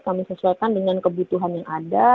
kami sesuaikan dengan kebutuhan yang ada